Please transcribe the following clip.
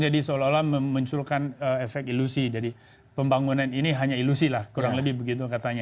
jadi seolah olah memunculkan efek ilusi jadi pembangunan ini hanya ilusi lah kurang lebih begitu katanya